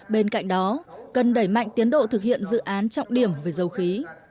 bên cạnh đó cần đẩy mạnh tiến độ thực hiện dự án trọng điểm về dầu khí